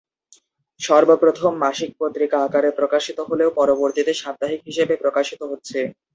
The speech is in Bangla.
সর্বপ্রথম মাসিক পত্রিকা আকারে প্রকাশিত হলেও পরবর্তীতে সাপ্তাহিক হিসেবে প্রকাশিত হচ্ছে।